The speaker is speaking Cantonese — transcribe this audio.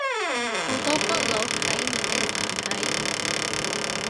好多北佬睇唔明繁體